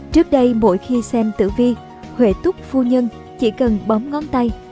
trước đây mỗi khi xem tử vi huệ túc phu nhân chỉ cần bóng ngón tay